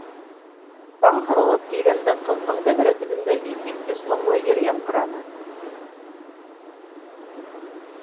Таң һыҙылып килгәндә ҡыҙҙың тәҙрә төбөндә иҫ киткес моңло йыр яңғыраны: